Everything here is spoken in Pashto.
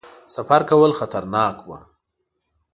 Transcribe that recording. سفر کول خطرناک وو.